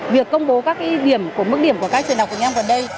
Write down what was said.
việc công bố các cái điểm của mức điểm của các trường đọc của nhau gần đây